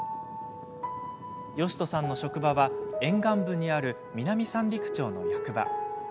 良人さんの職場は沿岸部にある南三陸町の役場。